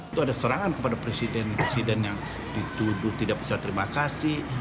itu ada serangan kepada presiden presiden yang dituduh tidak bisa terima kasih